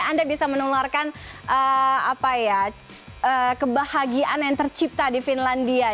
anda bisa menularkan kebahagiaan yang tercipta di finlandia